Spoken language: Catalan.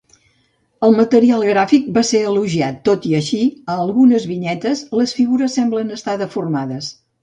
El material gràfic va ser elogiat, tot i així "a algunes vinyetes les figures semblen estar deformades".